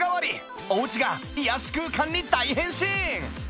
おうちが癒やし空間に大変身！